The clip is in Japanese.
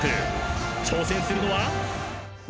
［挑戦するのは？］